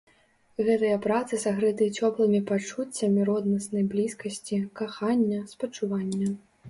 Гэтыя працы сагрэты цёплымі пачуццямі роднаснай блізкасці, кахання, спачування.